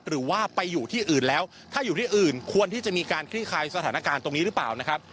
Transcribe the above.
หรือว่าไปอยู่ที่อื่นแล้วถ้าอยู่ที่อื่นควรที่จะมีการคลี่คลายสถานการณ์ตรงนี้หรือเปล่านะครับ